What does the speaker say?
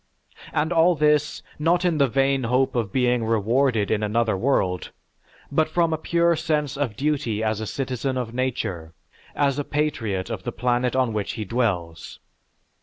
And all this, not in the vain hope of being rewarded in another world, but from a pure sense of duty as a citizen of nature, as a patriot of the planet on which he dwells.